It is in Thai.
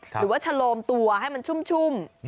หรือว่าชะโลมตัวให้มันชุ่ม